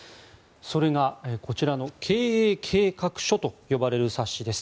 それが、こちらの経営計画書と呼ばれる冊子です。